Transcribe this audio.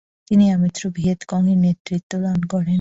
তিনি আমৃত্যু ভিয়েত কং-এর নেতৃত্ব দান করেন।